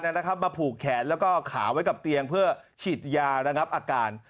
มาผูกแขนแล้วก็ขาไว้กับเตียงเพื่อฉีดยาระงับอาการ